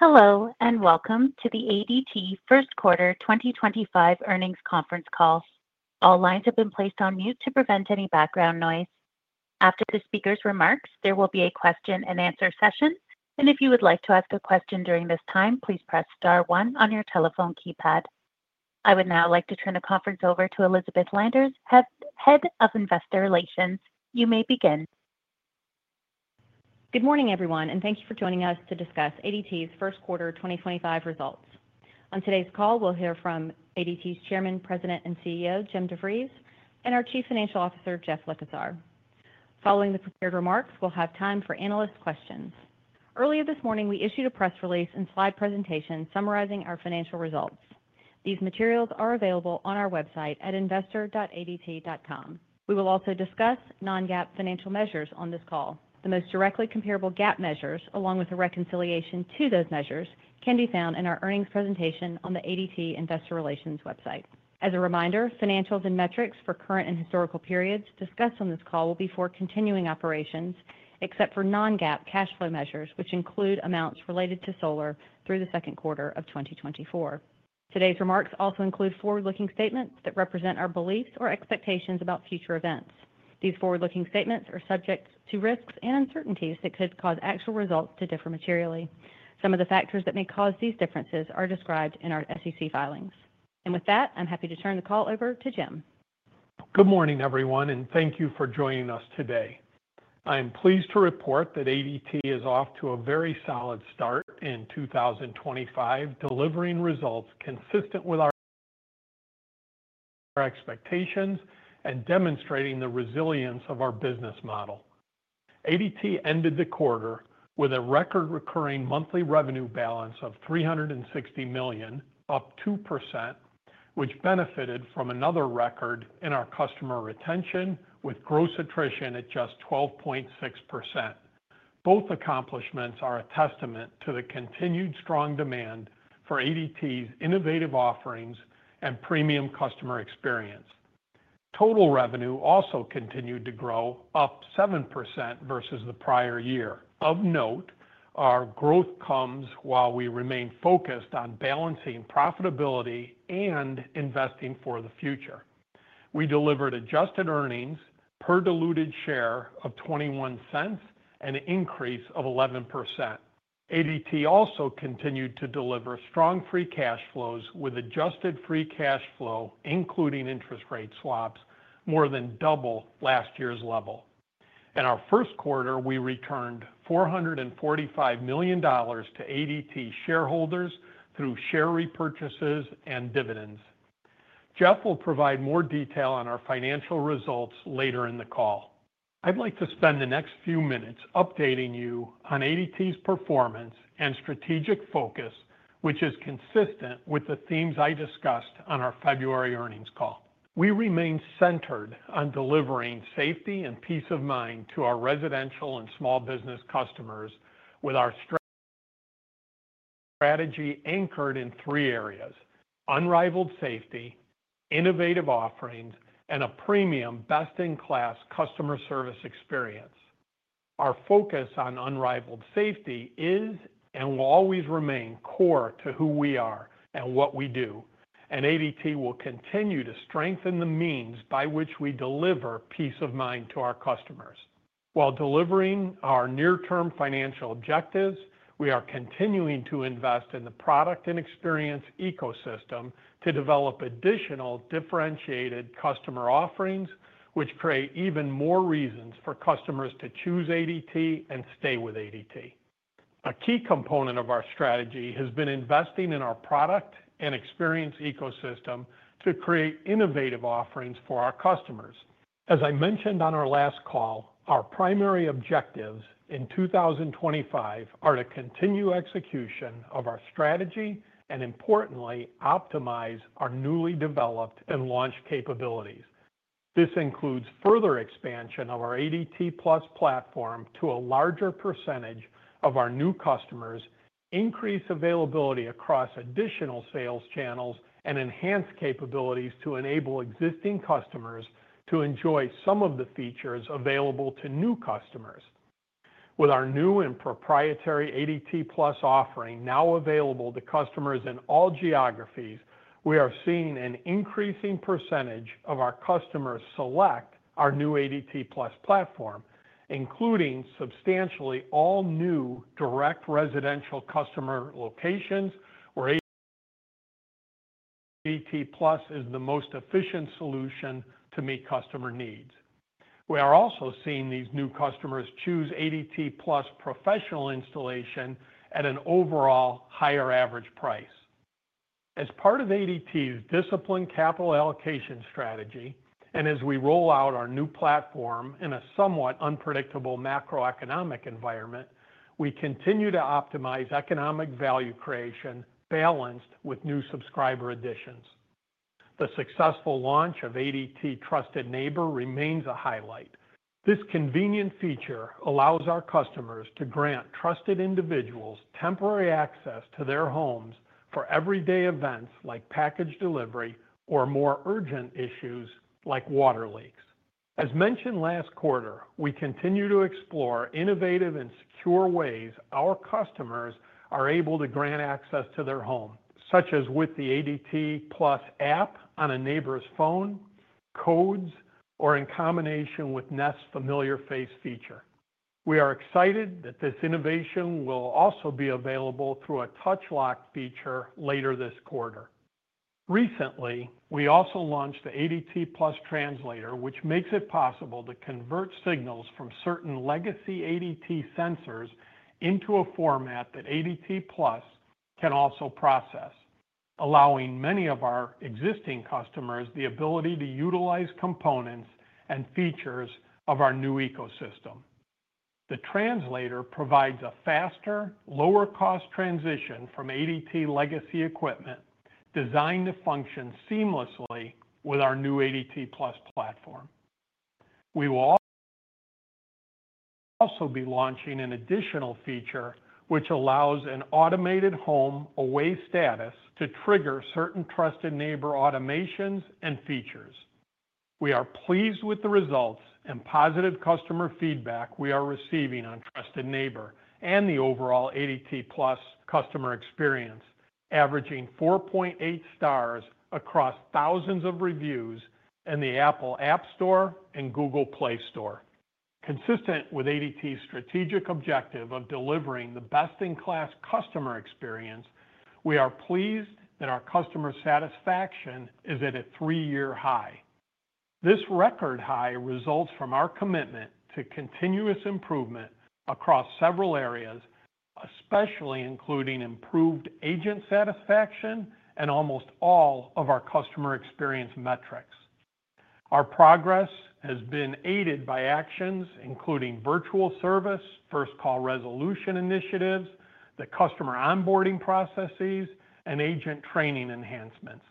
Hello, and welcome to the ADT first quarter 2025 earnings conference call. All lines have been placed on mute to prevent any background noise. After the speaker's remarks, there will be a question-and-answer session, and if you would like to ask a question during this time, please press star one on your telephone keypad. I would now like to turn the conference over to Elizabeth Landers, Head of Investor Relations. You may begin. Good morning, everyone, and thank you for joining us to discuss ADT's first quarter 2025 results. On today's call, we'll hear from ADT's Chairman, President, and CEO, Jim DeVries, and our Chief Financial Officer, Jeff Likosar. Following the prepared remarks, we'll have time for analyst questions. Earlier this morning, we issued a press release and slide presentation summarizing our financial results. These materials are available on our website at investor.adt.com. We will also discuss non-GAAP financial measures on this call. The most directly comparable GAAP measures, along with a reconciliation to those measures, can be found in our earnings presentation on the ADT Investor Relations website. As a reminder, financials and metrics for current and historical periods discussed on this call will be for continuing operations, except for non-GAAP cash flow measures, which include amounts related to solar through the second quarter of 2024. Today's remarks also include forward-looking statements that represent our beliefs or expectations about future events. These forward-looking statements are subject to risks and uncertainties that could cause actual results to differ materially. Some of the factors that may cause these differences are described in our SEC filings. With that, I'm happy to turn the call over to Jim. Good morning, everyone, and thank you for joining us today. I am pleased to report that ADT is off to a very solid start in 2025, delivering results consistent with our expectations and demonstrating the resilience of our business model. ADT ended the quarter with a record-recurring monthly revenue balance of $360 million, up 2%, which benefited from another record in our customer retention, with gross attrition at just 12.6%. Both accomplishments are a testament to the continued strong demand for ADT's innovative offerings and premium customer experience. Total revenue also continued to grow, up 7% versus the prior year. Of note, our growth comes while we remain focused on balancing profitability and investing for the future. We delivered adjusted earnings per diluted share of $0.21 and an increase of 11%. ADT also continued to deliver strong free cash flows, with adjusted free cash flow, including interest rate swaps, more than double last year's level. In our first quarter, we returned $445 million to ADT shareholders through share repurchases and dividends. Jeff will provide more detail on our financial results later in the call. I'd like to spend the next few minutes updating you on ADT's performance and strategic focus, which is consistent with the themes I discussed on our February earnings call. We remain centered on delivering safety and peace of mind to our residential and small business customers, with our strategy anchored in three areas: unrivaled safety, innovative offerings, and a premium, best-in-class customer service experience. Our focus on unrivaled safety is and will always remain core to who we are and what we do, and ADT will continue to strengthen the means by which we deliver peace of mind to our customers. While delivering our near-term financial objectives, we are continuing to invest in the product and experience ecosystem to develop additional differentiated customer offerings, which create even more reasons for customers to choose ADT and stay with ADT. A key component of our strategy has been investing in our product and experience ecosystem to create innovative offerings for our customers. As I mentioned on our last call, our primary objectives in 2025 are to continue execution of our strategy and, importantly, optimize our newly developed and launched capabilities. This includes further expansion of our ADT Plus platform to a larger percentage of our new customers, increased availability across additional sales channels, and enhanced capabilities to enable existing customers to enjoy some of the features available to new customers. With our new and proprietary ADT Plus offering now available to customers in all geographies, we are seeing an increasing percentage of our customers select our new ADT Plus platform, including substantially all new direct residential customer locations, where ADT Plus is the most efficient solution to meet customer needs. We are also seeing these new customers choose ADT Plus professional installation at an overall higher average price. As part of ADT's disciplined capital allocation strategy, and as we roll out our new platform in a somewhat unpredictable macroeconomic environment, we continue to optimize economic value creation balanced with new subscriber additions. The successful launch of ADT Trusted Neighbor remains a highlight. This convenient feature allows our customers to grant trusted individuals temporary access to their homes for everyday events like package delivery or more urgent issues like water leaks. As mentioned last quarter, we continue to explore innovative and secure ways our customers are able to grant access to their home, such as with the ADT Plus app on a neighbor's phone, codes, or in combination with Nest's familiar face feature. We are excited that this innovation will also be available through a TouchLock feature later this quarter. Recently, we also launched the ADT Plus Translator, which makes it possible to convert signals from certain legacy ADT sensors into a format that ADT Plus can also process, allowing many of our existing customers the ability to utilize components and features of our new ecosystem. The translator provides a faster, lower-cost transition from ADT legacy equipment designed to function seamlessly with our new ADT Plus platform. We will also be launching an additional feature which allows an automated home away status to trigger certain Trusted Neighbor automations and features. We are pleased with the results and positive customer feedback we are receiving on Trusted Neighbor and the overall ADT Plus customer experience, averaging 4.8 stars across thousands of reviews in the Apple App Store and Google Play Store. Consistent with ADT's strategic objective of delivering the best-in-class customer experience, we are pleased that our customer satisfaction is at a three-year high. This record high results from our commitment to continuous improvement across several areas, especially including improved agent satisfaction and almost all of our customer experience metrics. Our progress has been aided by actions including virtual service, first call resolution initiatives, the customer onboarding processes, and agent training enhancements.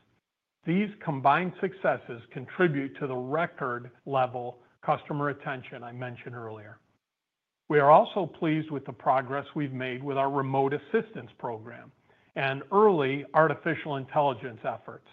These combined successes contribute to the record-level customer retention I mentioned earlier. We are also pleased with the progress we've made with our remote assistance program and early artificial intelligence efforts.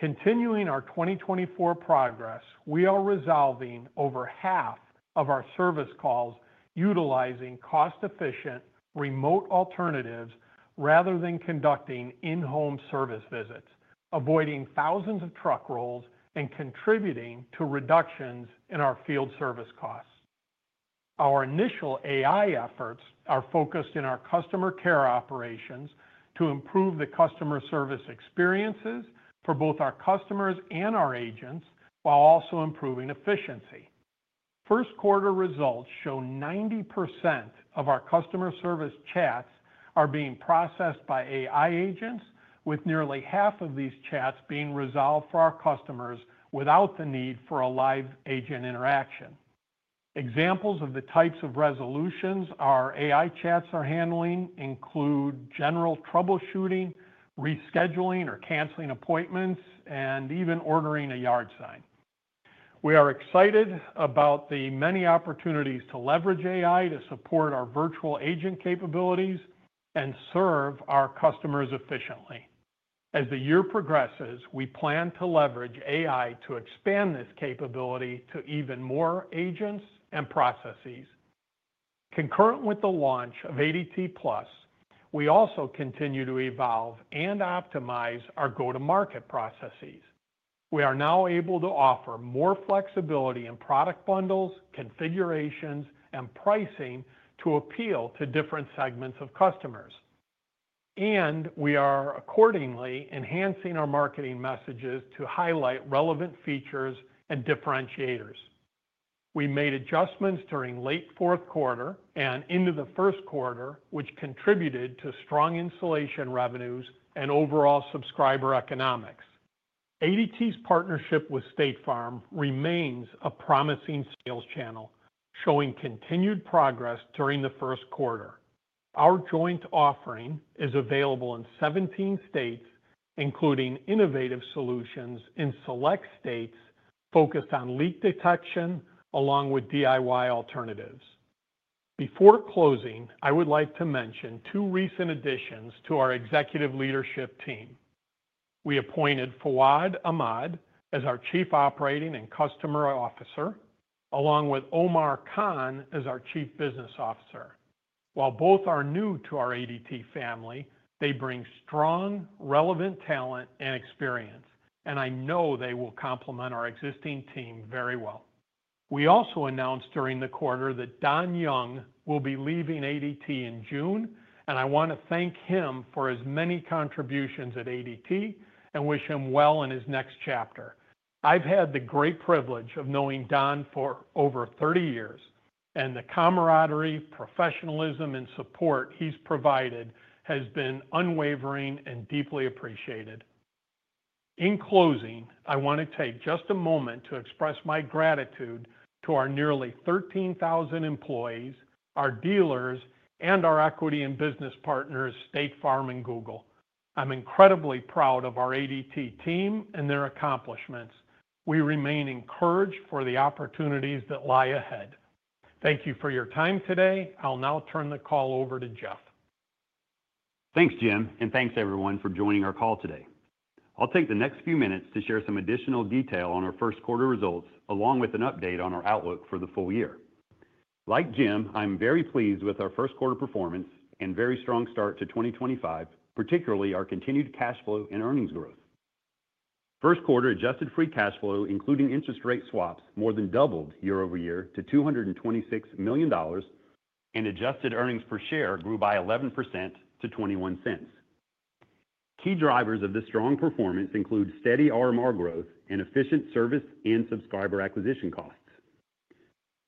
Continuing our 2024 progress, we are resolving over half of our service calls utilizing cost-efficient remote alternatives rather than conducting in-home service visits, avoiding thousands of truck rolls and contributing to reductions in our field service costs. Our initial AI efforts are focused in our customer care operations to improve the customer service experiences for both our customers and our agents, while also improving efficiency. First quarter results show 90% of our customer service chats are being processed by AI agents, with nearly half of these chats being resolved for our customers without the need for a live agent interaction. Examples of the types of resolutions our AI chats are handling include general troubleshooting, rescheduling or canceling appointments, and even ordering a yard sign. We are excited about the many opportunities to leverage AI to support our virtual agent capabilities and serve our customers efficiently. As the year progresses, we plan to leverage AI to expand this capability to even more agents and processes. Concurrent with the launch of ADT Plus, we also continue to evolve and optimize our go-to-market processes. We are now able to offer more flexibility in product bundles, configurations, and pricing to appeal to different segments of customers. We are accordingly enhancing our marketing messages to highlight relevant features and differentiators. We made adjustments during late fourth quarter and into the first quarter, which contributed to strong installation revenues and overall subscriber economics. ADT's partnership with State Farm remains a promising sales channel, showing continued progress during the first quarter. Our joint offering is available in 17 states, including innovative solutions in select states focused on leak detection, along with DIY alternatives. Before closing, I would like to mention two recent additions to our executive leadership team. We appointed Fawad Ahmad as our Chief Operating and Customer Officer, along with Omar Khan as our Chief Business Officer. While both are new to our ADT family, they bring strong, relevant talent and experience, and I know they will complement our existing team very well. We also announced during the quarter that Don Young will be leaving ADT in June, and I want to thank him for his many contributions at ADT and wish him well in his next chapter. I've had the great privilege of knowing Don for over 30 years, and the camaraderie, professionalism, and support he's provided has been unwavering and deeply appreciated. In closing, I want to take just a moment to express my gratitude to our nearly 13,000 employees, our dealers, and our equity and business partners, State Farm and Google. I'm incredibly proud of our ADT team and their accomplishments. We remain encouraged for the opportunities that lie ahead. Thank you for your time today. I'll now turn the call over to Jeff. Thanks, Jim, and thanks everyone for joining our call today. I'll take the next few minutes to share some additional detail on our first quarter results, along with an update on our outlook for the full year. Like Jim, I'm very pleased with our first quarter performance and very strong start to 2025, particularly our continued cash flow and earnings growth. First quarter adjusted free cash flow, including interest rate swaps, more than doubled year over year to $226 million, and adjusted earnings per share grew by 11% to $0.21. Key drivers of this strong performance include steady RMR growth and efficient service and subscriber acquisition costs.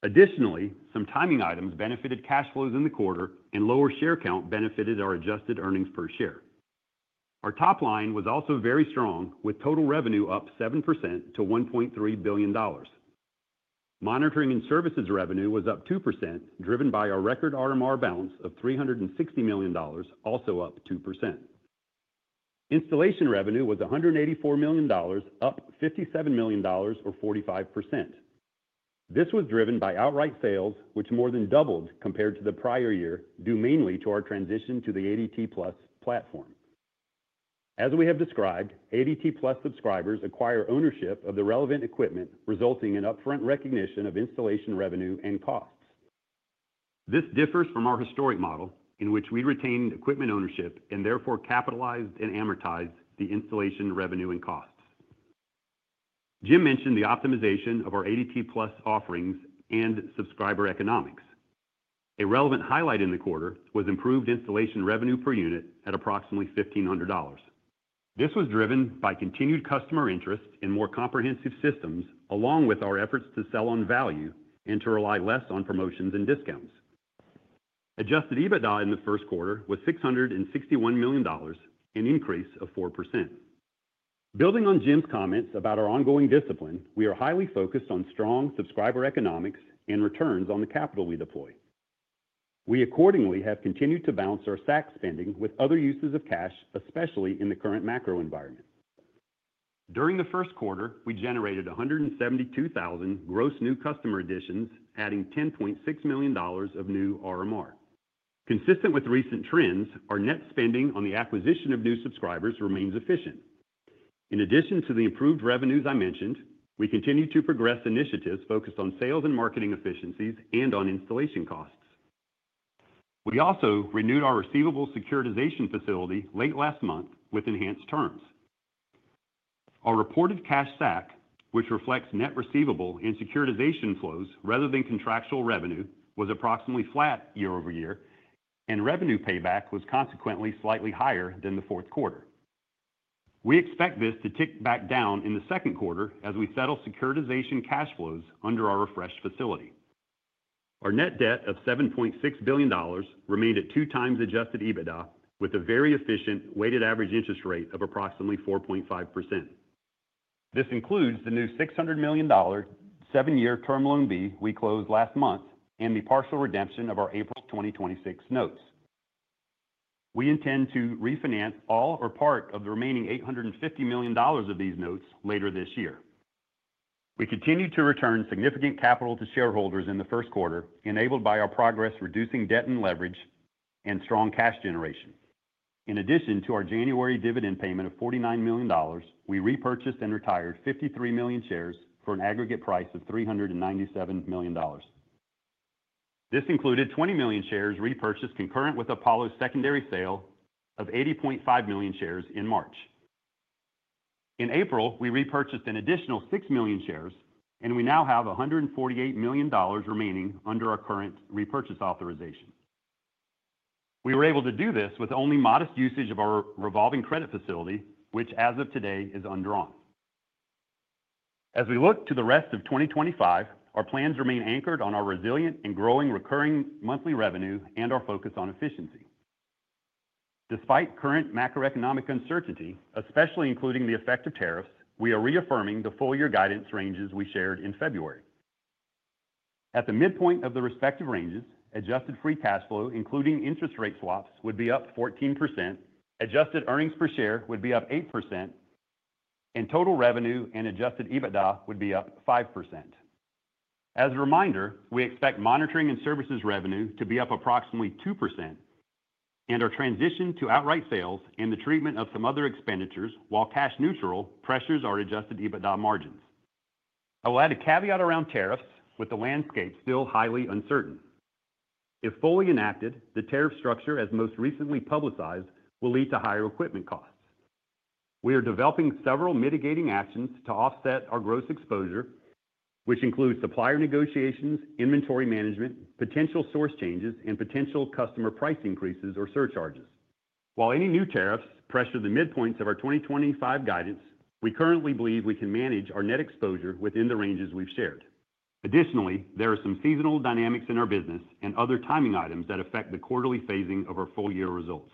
Additionally, some timing items benefited cash flows in the quarter, and lower share count benefited our adjusted earnings per share. Our top line was also very strong, with total revenue up 7% to $1.3 billion. Monitoring and services revenue was up 2%, driven by our record RMR balance of $360 million, also up 2%. Installation revenue was $184 million, up $57 million, or 45%. This was driven by outright sales, which more than doubled compared to the prior year, due mainly to our transition to the ADT Plus platform. As we have described, ADT Plus subscribers acquire ownership of the relevant equipment, resulting in upfront recognition of installation revenue and costs. This differs from our historic model, in which we retained equipment ownership and therefore capitalized and amortized the installation revenue and costs. Jim mentioned the optimization of our ADT Plus offerings and subscriber economics. A relevant highlight in the quarter was improved installation revenue per unit at approximately $1,500. This was driven by continued customer interest in more comprehensive systems, along with our efforts to sell on value and to rely less on promotions and discounts. Adjusted EBITDA in the first quarter was $661 million, an increase of 4%. Building on Jim's comments about our ongoing discipline, we are highly focused on strong subscriber economics and returns on the capital we deploy. We accordingly have continued to balance our SAC spending with other uses of cash, especially in the current macro environment. During the first quarter, we generated 172,000 gross new customer additions, adding $10.6 million of new RMR. Consistent with recent trends, our net spending on the acquisition of new subscribers remains efficient. In addition to the improved revenues I mentioned, we continue to progress initiatives focused on sales and marketing efficiencies and on installation costs. We also renewed our receivable securitization facility late last month with enhanced terms. Our reported cash SAC, which reflects net receivable and securitization flows rather than contractual revenue, was approximately flat year over year, and revenue payback was consequently slightly higher than the fourth quarter. We expect this to tick back down in the second quarter as we settle securitization cash flows under our refreshed facility. Our net debt of $7.6 billion remained at two times adjusted EBITDA, with a very efficient weighted average interest rate of approximately 4.5%. This includes the new $600 million seven-year term loan B we closed last month and the partial redemption of our April 2026 notes. We intend to refinance all or part of the remaining $850 million of these notes later this year. We continue to return significant capital to shareholders in the first quarter, enabled by our progress reducing debt and leverage and strong cash generation. In addition to our January dividend payment of $49 million, we repurchased and retired 53 million shares for an aggregate price of $397 million. This included 20 million shares repurchased concurrent with Apollo's secondary sale of 80.5 million shares in March. In April, we repurchased an additional 6 million shares, and we now have $148 million remaining under our current repurchase authorization. We were able to do this with only modest usage of our revolving credit facility, which as of today is undrawn. As we look to the rest of 2025, our plans remain anchored on our resilient and growing recurring monthly revenue and our focus on efficiency. Despite current macroeconomic uncertainty, especially including the effect of tariffs, we are reaffirming the full-year guidance ranges we shared in February. At the midpoint of the respective ranges, adjusted free cash flow, including interest rate swaps, would be up 14%, adjusted earnings per share would be up 8%, and total revenue and adjusted EBITDA would be up 5%. As a reminder, we expect monitoring and services revenue to be up approximately 2%, and our transition to outright sales and the treatment of some other expenditures, while cash neutral, pressures our adjusted EBITDA margins. I will add a caveat around tariffs, with the landscape still highly uncertain. If fully enacted, the tariff structure as most recently publicized will lead to higher equipment costs. We are developing several mitigating actions to offset our gross exposure, which include supplier negotiations, inventory management, potential source changes, and potential customer price increases or surcharges. While any new tariffs pressure the midpoints of our 2025 guidance, we currently believe we can manage our net exposure within the ranges we've shared. Additionally, there are some seasonal dynamics in our business and other timing items that affect the quarterly phasing of our full-year results.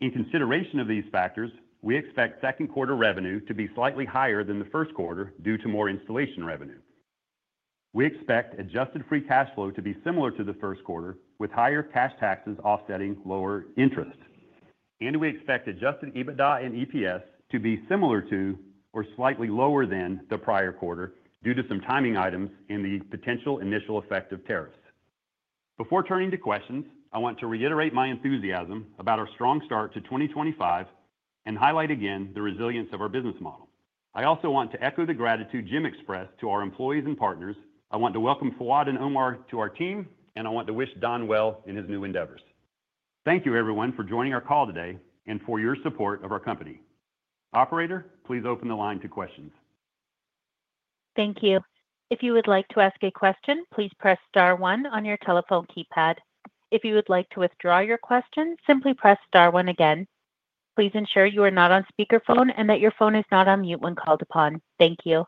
In consideration of these factors, we expect second quarter revenue to be slightly higher than the first quarter due to more installation revenue. We expect adjusted free cash flow to be similar to the first quarter, with higher cash taxes offsetting lower interest. We expect adjusted EBITDA and EPS to be similar to or slightly lower than the prior quarter due to some timing items and the potential initial effect of tariffs. Before turning to questions, I want to reiterate my enthusiasm about our strong start to 2025 and highlight again the resilience of our business model. I also want to echo the gratitude Jim expressed to our employees and partners. I want to welcome Fawad and Omar to our team, and I want to wish Don well in his new endeavors. Thank you, everyone, for joining our call today and for your support of our company. Operator, please open the line to questions. Thank you. If you would like to ask a question, please press star one on your telephone keypad. If you would like to withdraw your question, simply press star one again. Please ensure you are not on speakerphone and that your phone is not on mute when called upon. Thank you.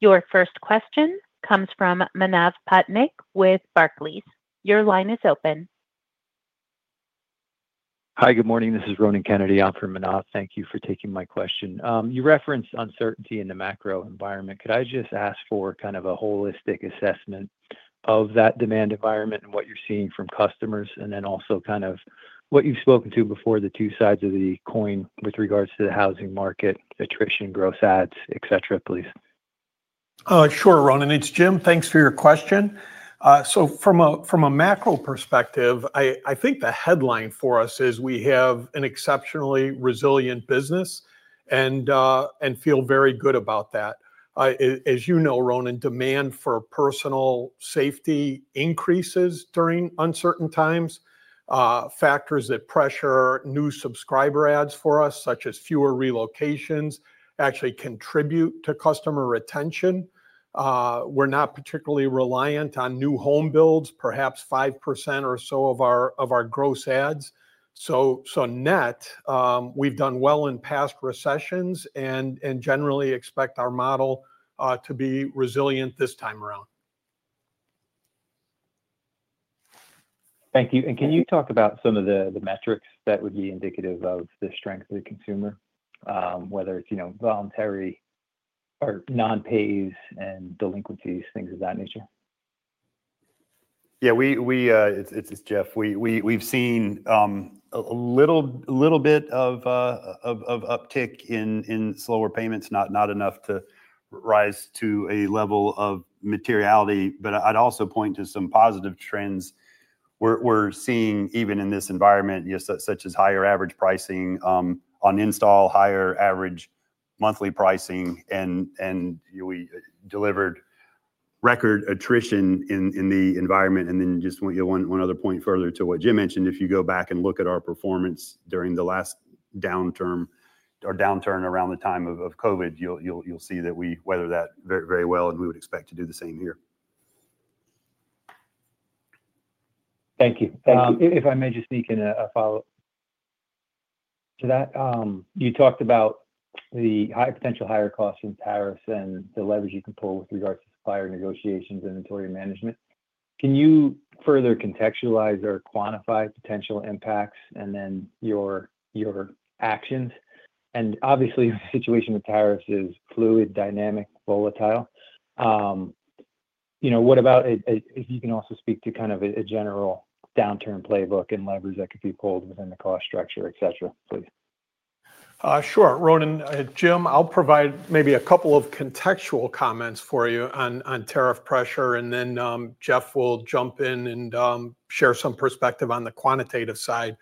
Your first question comes from Manav Patnaik with Barclays. Your line is open. Hi, good morning. This is Ronan Kennedy. I'm from Manav. Thank you for taking my question. You referenced uncertainty in the macro environment. Could I just ask for kind of a holistic assessment of that demand environment and what you're seeing from customers, and then also kind of what you've spoken to before, the two sides of the coin with regards to the housing market, attrition, gross adds, et cetera, please? Sure, Ronan. It's Jim. Thanks for your question. From a macro perspective, I think the headline for us is we have an exceptionally resilient business and feel very good about that. As you know, Ronan, demand for personal safety increases during uncertain times. Factors that pressure new subscriber ads for us, such as fewer relocations, actually contribute to customer retention. We're not particularly reliant on new home builds, perhaps 5% or so of our gross ads. Net, we've done well in past recessions and generally expect our model to be resilient this time around. Thank you. Can you talk about some of the metrics that would be indicative of the strength of the consumer, whether it's voluntary or non-pays and delinquencies, things of that nature? Yeah, it's Jeff. We've seen a little bit of uptick in slower payments, not enough to rise to a level of materiality. I would also point to some positive trends we're seeing even in this environment, such as higher average pricing on install, higher average monthly pricing, and we delivered record attrition in the environment. Just one other point further to what Jim mentioned. If you go back and look at our performance during the last downturn or downturn around the time of COVID, you'll see that we weathered that very well, and we would expect to do the same here. Thank you. If I may just speak in a follow-up to that. You talked about the potential higher costs in tariffs and the leverage you can pull with regards to supplier negotiations and inventory management. Can you further contextualize or quantify potential impacts and then your actions? Obviously, the situation with tariffs is fluid, dynamic, volatile. What about if you can also speak to kind of a general downturn playbook and leverage that could be pulled within the cost structure, et cetera, please? Sure. Ronan, Jim, I'll provide maybe a couple of contextual comments for you on tariff pressure, and then Jeff will jump in and share some perspective on the quantitative side.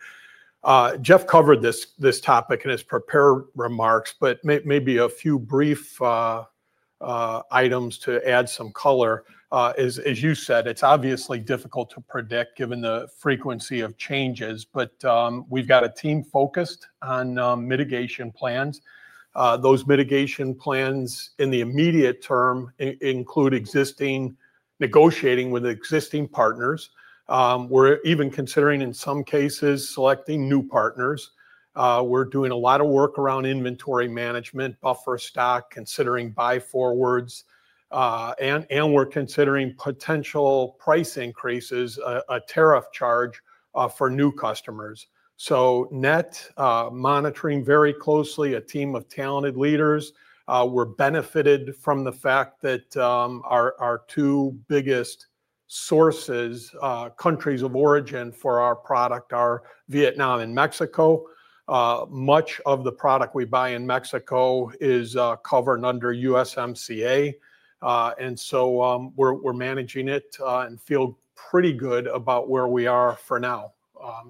Jeff covered this topic in his prepared remarks, but maybe a few brief items to add some color. As you said, it's obviously difficult to predict given the frequency of changes, but we've got a team focused on mitigation plans. Those mitigation plans in the immediate term include negotiating with existing partners. We're even considering, in some cases, selecting new partners. We're doing a lot of work around inventory management, buffer stock, considering buy forwards, and we're considering potential price increases, a tariff charge for new customers. Net, monitoring very closely, a team of talented leaders. We're benefited from the fact that our two biggest sources, countries of origin for our product, are Vietnam and Mexico. Much of the product we buy in Mexico is covered under USMCA. We are managing it and feel pretty good about where we are for now.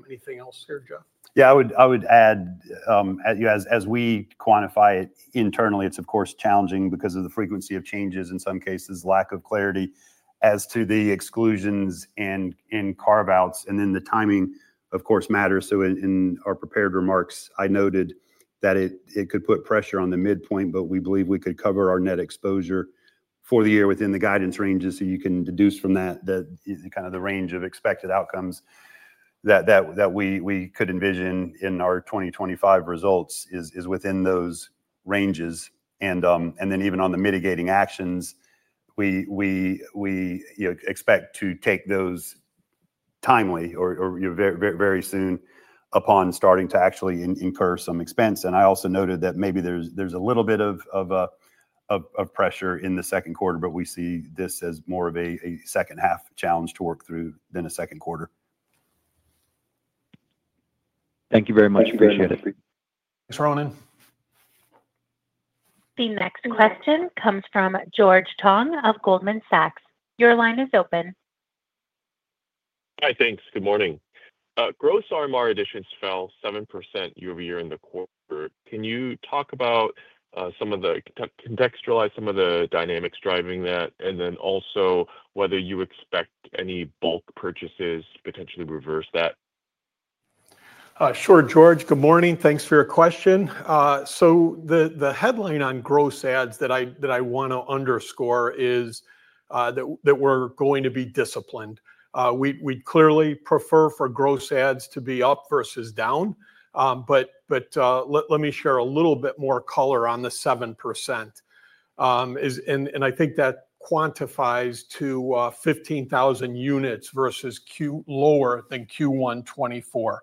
Anything else here, Jeff? Yeah, I would add, as we quantify it internally, it's, of course, challenging because of the frequency of changes, in some cases, lack of clarity as to the exclusions and carve-outs, and the timing, of course, matters. In our prepared remarks, I noted that it could put pressure on the midpoint, but we believe we could cover our net exposure for the year within the guidance ranges. You can deduce from that that kind of the range of expected outcomes that we could envision in our 2025 results is within those ranges. Even on the mitigating actions, we expect to take those timely or very soon upon starting to actually incur some expense. I also noted that maybe there's a little bit of pressure in the second quarter, but we see this as more of a second-half challenge to work through than a second quarter. Thank you very much. Appreciate it. Thanks, Ronan. The next question comes from George Tong of Goldman Sachs. Your line is open. Hi, thanks. Good morning. Gross RMR additions fell 7% year over year in the quarter. Can you talk about some of the contextualize some of the dynamics driving that, and then also whether you expect any bulk purchases potentially reverse that? Sure, George. Good morning. Thanks for your question. The headline on gross ads that I want to underscore is that we're going to be disciplined. We clearly prefer for gross ads to be up versus down, but let me share a little bit more color on the 7%. I think that quantifies to 15,000 units versus lower than Q1 2024.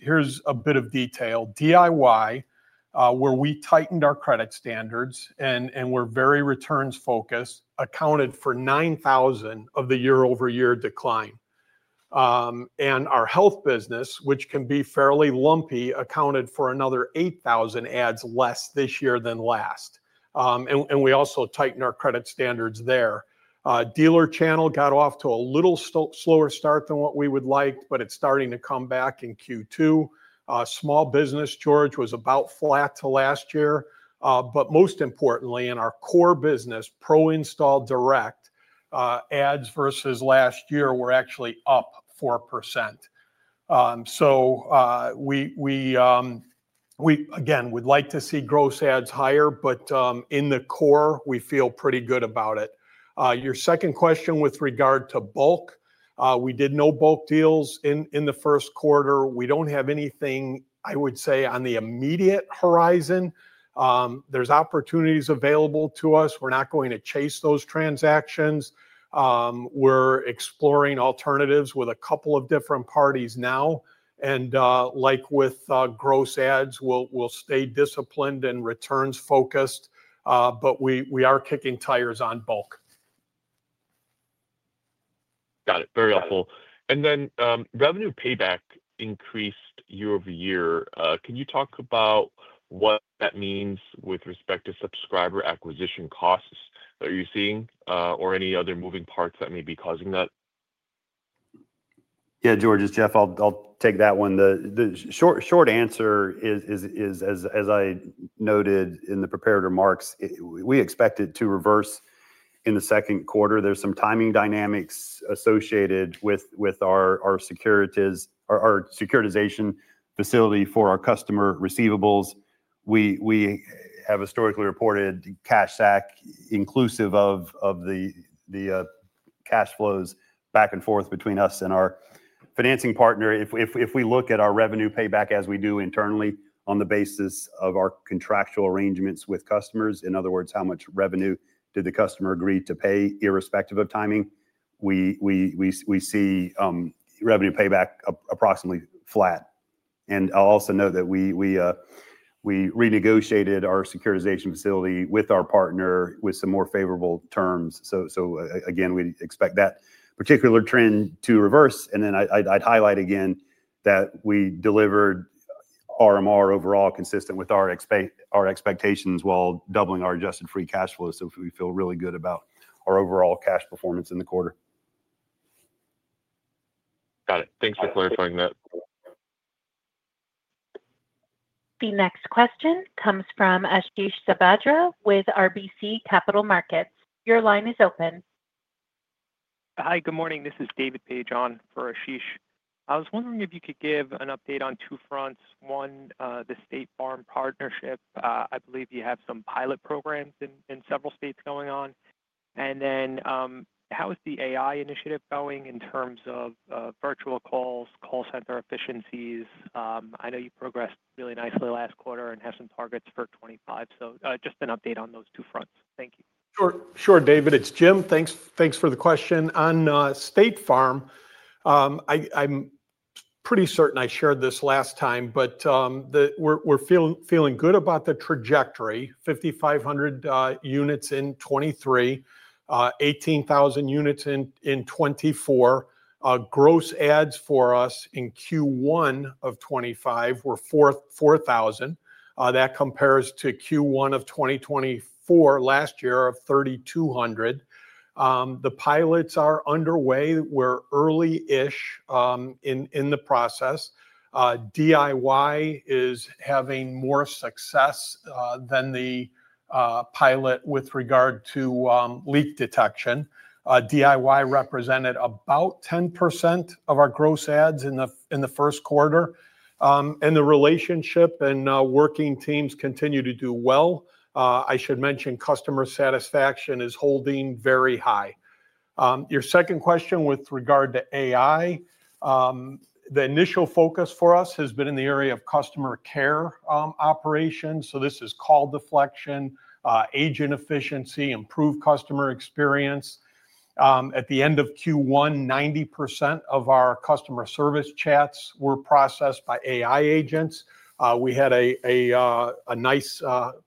Here's a bit of detail. DIY, where we tightened our credit standards and were very returns-focused, accounted for 9,000 of the year-over-year decline. Our health business, which can be fairly lumpy, accounted for another 8,000 ads less this year than last. We also tightened our credit standards there. Dealer channel got off to a little slower start than what we would like, but it's starting to come back in Q2. Small business, George, was about flat to last year. Most importantly, in our core business, Pro Install Direct, ads versus last year were actually up 4%. We, again, would like to see gross ads higher, but in the core, we feel pretty good about it. Your second question with regard to bulk, we did no bulk deals in the first quarter. We do not have anything, I would say, on the immediate horizon. There are opportunities available to us. We are not going to chase those transactions. We are exploring alternatives with a couple of different parties now. Like with gross ads, we will stay disciplined and returns-focused, but we are kicking tires on bulk. Got it. Very helpful. Revenue payback increased year over year. Can you talk about what that means with respect to subscriber acquisition costs that you're seeing or any other moving parts that may be causing that? Yeah, George, it's Jeff. I'll take that one. The short answer is, as I noted in the prepared remarks, we expect it to reverse in the second quarter. There are some timing dynamics associated with our securitization facility for our customer receivables. We have historically reported cash SAC inclusive of the cash flows back and forth between us and our financing partner. If we look at our revenue payback as we do internally on the basis of our contractual arrangements with customers, in other words, how much revenue did the customer agree to pay irrespective of timing, we see revenue payback approximately flat. I'll also note that we renegotiated our securitization facility with our partner with some more favorable terms. We expect that particular trend to reverse. I'd highlight again that we delivered RMR overall consistent with our expectations while doubling our adjusted free cash flow. We feel really good about our overall cash performance in the quarter. Got it. Thanks for clarifying that. The next question comes from Ashish Sabadra with RBC Capital Markets. Your line is open. Hi, good morning. This is David Page on for Ashish. I was wondering if you could give an update on two fronts. One, the State Farm partnership. I believe you have some pilot programs in several states going on. How is the AI initiative going in terms of virtual calls, call center efficiencies? I know you progressed really nicely last quarter and have some targets for 2025. Just an update on those two fronts. Thank you. Sure, David. It's Jim. Thanks for the question. On State Farm, I'm pretty certain I shared this last time, but we're feeling good about the trajectory. 5,500 units in 2023, 18,000 units in 2024. Gross ads for us in Q1 of 2025 were 4,000. That compares to Q1 of 2024 last year of 3,200. The pilots are underway. We're early-ish in the process. DIY is having more success than the pilot with regard to leak detection. DIY represented about 10% of our gross ads in the first quarter. The relationship and working teams continue to do well. I should mention customer satisfaction is holding very high. Your second question with regard to AI, the initial focus for us has been in the area of customer care operations. This is call deflection, agent efficiency, improved customer experience. At the end of Q1, 90% of our customer service chats were processed by AI agents. We had a nice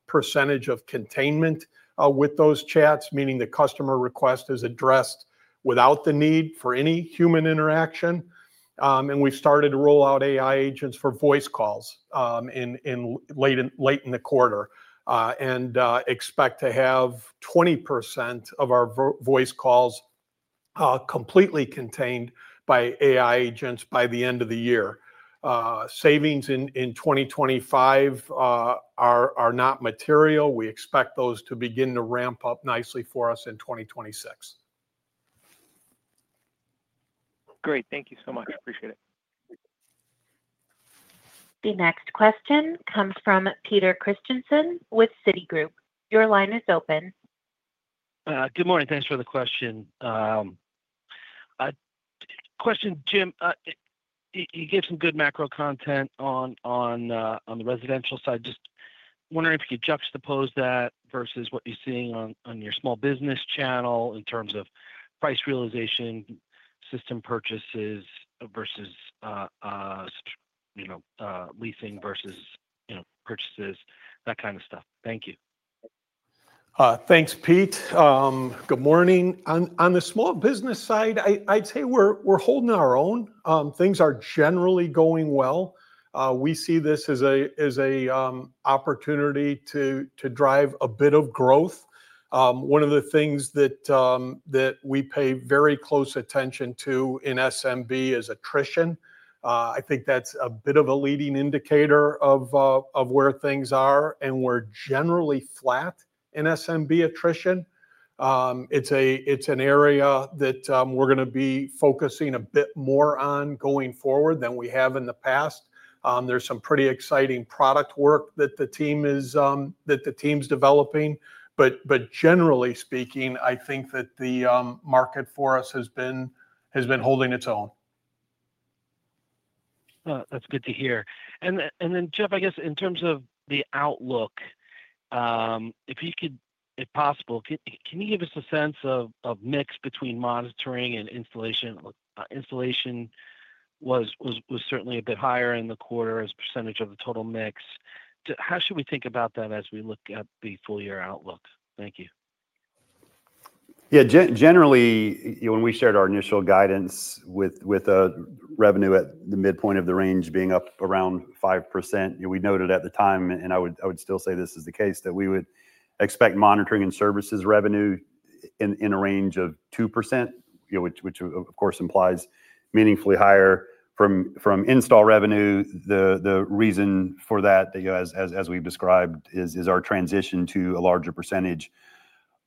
percentage of containment with those chats, meaning the customer request is addressed without the need for any human interaction. We have started to roll out AI agents for voice calls late in the quarter and expect to have 20% of our voice calls completely contained by AI agents by the end of the year. Savings in 2025 are not material. We expect those to begin to ramp up nicely for us in 2026. Great. Thank you so much. Appreciate it. The next question comes from Peter Christiansen with Citigroup. Your line is open. Good morning. Thanks for the question. Jim, you gave some good macro content on the residential side. Just wondering if you could juxtapose that versus what you're seeing on your small business channel in terms of price realization, system purchases versus leasing versus purchases, that kind of stuff. Thank you. Thanks, Peter. Good morning. On the small business side, I'd say we're holding our own. Things are generally going well. We see this as an opportunity to drive a bit of growth. One of the things that we pay very close attention to in SMB is attrition. I think that's a bit of a leading indicator of where things are, and we're generally flat in SMB attrition. It's an area that we're going to be focusing a bit more on going forward than we have in the past. There is some pretty exciting product work that the team is developing. Generally speaking, I think that the market for us has been holding its own. That's good to hear. Jeff, I guess in terms of the outlook, if you could, if possible, can you give us a sense of mix between monitoring and installation? Installation was certainly a bit higher in the quarter as a percentage of the total mix. How should we think about that as we look at the full year outlook? Thank you. Yeah. Generally, when we shared our initial guidance with revenue at the midpoint of the range being up around 5%, we noted at the time, and I would still say this is the case, that we would expect monitoring and services revenue in a range of 2%, which, of course, implies meaningfully higher from install revenue. The reason for that, as we've described, is our transition to a larger percentage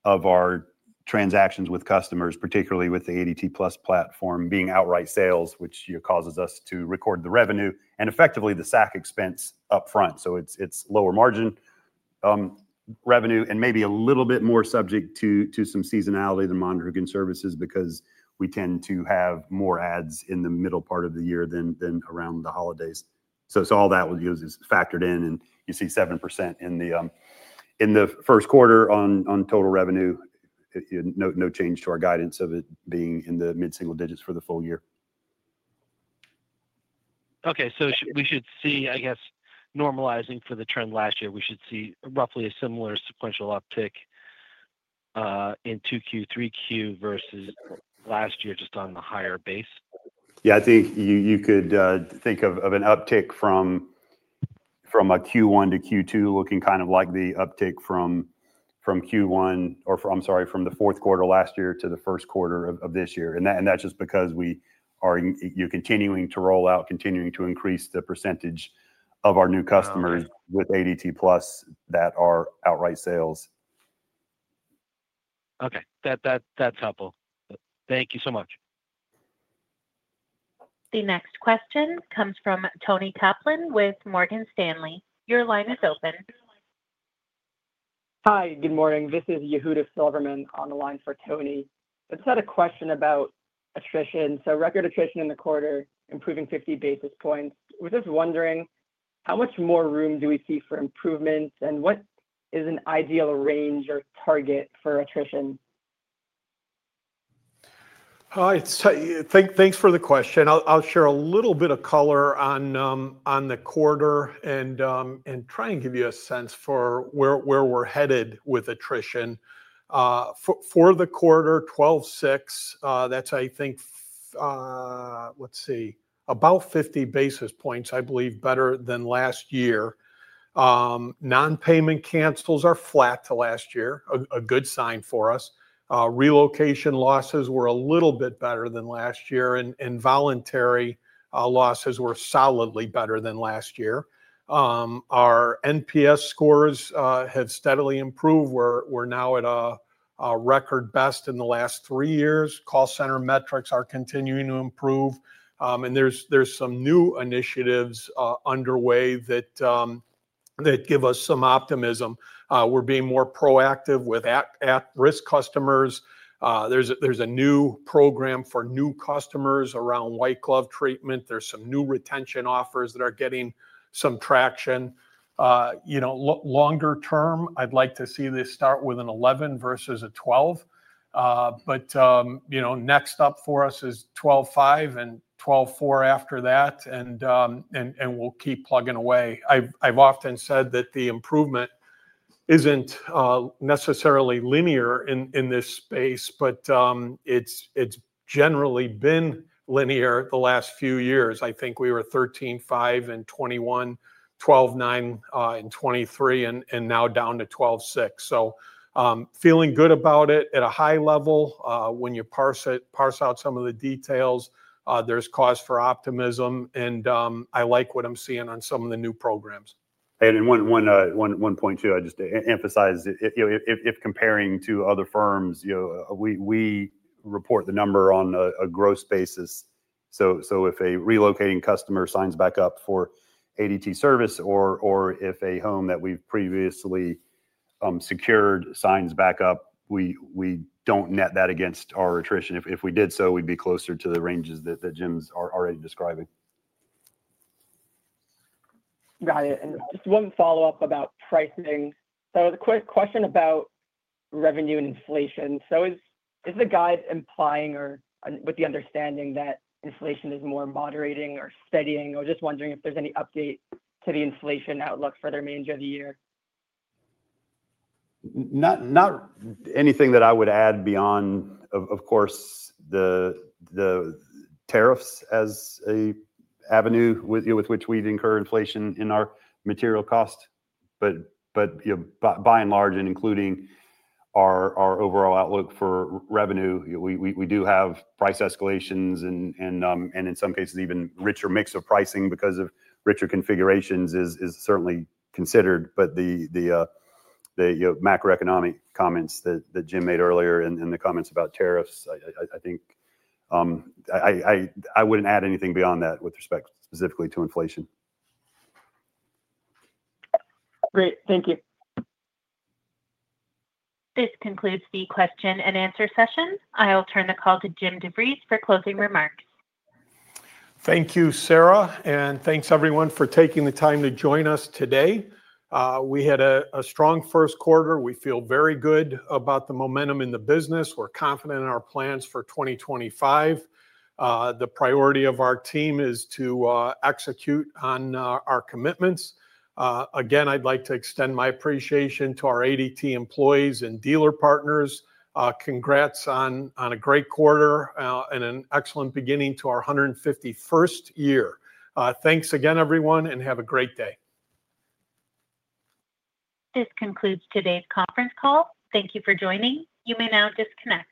of our transactions with customers, particularly with the ADT Plus platform being outright sales, which causes us to record the revenue and effectively the SAC expense upfront. It is lower margin revenue and maybe a little bit more subject to some seasonality than monitoring and services because we tend to have more ads in the middle part of the year than around the holidays. All that is factored in, and you see 7% in the first quarter on total revenue. No change to our guidance of it being in the mid-single digits for the full year. Okay. We should see, I guess, normalizing for the trend last year, we should see roughly a similar sequential uptick in Q2, Q3 versus last year just on the higher base. Yeah. I think you could think of an uptick from Q1 to Q2 looking kind of like the uptick from Q1, or, I'm sorry, from the fourth quarter last year to the first quarter of this year. That's just because we are continuing to roll out, continuing to increase the percentage of our new customers with ADT Plus that are outright sales. Okay. That's helpful. Thank you so much. The next question comes from Toni Kaplan with Morgan Stanley. Your line is open. Hi, good morning. This is Yehuda Silverman on the line for Tony. I just had a question about attrition. Record attrition in the quarter, improving 50 basis points. We're just wondering how much more room do we see for improvement, and what is an ideal range or target for attrition? Thanks for the question. I'll share a little bit of color on the quarter and try and give you a sense for where we're headed with attrition. For the quarter, '12/'06, that's, I think, let's see, about 50 basis points, I believe, better than last year. Non-payment cancels are flat to last year, a good sign for us. Relocation losses were a little bit better than last year, and voluntary losses were solidly better than last year. Our NPS scores have steadily improved. We're now at a record best in the last three years. Call center metrics are continuing to improve. There are some new initiatives underway that give us some optimism. We're being more proactive with at-risk customers. There's a new program for new customers around white glove treatment. There are some new retention offers that are getting some traction. Longer term, I'd like to see this start with an 11 versus a 12. Next up for us is 12/05 and 12/04 after that, and we'll keep plugging away. I've often said that the improvement isn't necessarily linear in this space, but it's generally been linear the last few years. I think we were 13/05 in 2021, 12/09 in 2023, and now down to 12/06. Feeling good about it at a high level when you parse out some of the details, there's cause for optimism, and I like what I'm seeing on some of the new programs. One point too, I'd just emphasize, if comparing to other firms, we report the number on a gross basis. If a relocating customer signs back up for ADT service, or if a home that we've previously secured signs back up, we do not net that against our attrition. If we did so, we'd be closer to the ranges that Jim's already describing. Got it. Just one follow-up about pricing. A quick question about revenue and inflation. Is the guide implying or with the understanding that inflation is more moderating or steadying? I was just wondering if there's any update to the inflation outlook for the remainder of the year. Not anything that I would add beyond, of course, the tariffs as an avenue with which we'd incur inflation in our material cost. By and large, and including our overall outlook for revenue, we do have price escalations and in some cases, even richer mix of pricing because of richer configurations is certainly considered. The macroeconomic comments that Jim made earlier and the comments about tariffs, I think I wouldn't add anything beyond that with respect specifically to inflation. Great. Thank you. This concludes the question and answer session. I'll turn the call to Jim DeVries for closing remarks. Thank you, Sarah. Thank you, everyone, for taking the time to join us today. We had a strong first quarter. We feel very good about the momentum in the business. We are confident in our plans for 2025. The priority of our team is to execute on our commitments. Again, I would like to extend my appreciation to our ADT employees and dealer partners. Congrats on a great quarter and an excellent beginning to our 151st year. Thank you again, everyone, and have a great day. This concludes today's conference call. Thank you for joining. You may now disconnect.